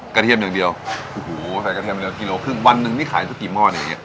กระเทียมหนึ่งเดียวโอ้โหใส่กระเทียมหนึ่งเดียวกิโลครึ่งวันนึงนี่ขายจะกี่หม้อนอย่างเงี้ย